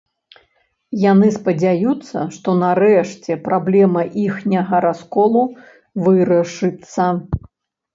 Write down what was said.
Яны спадзяюцца, што нарэшце праблема іхняга расколу вырашыцца.